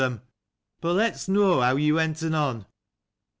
But, let us know how you went on.